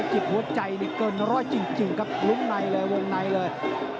หัวใจนี่ร้อยจริงครับรุมไหนเลยวงในเลย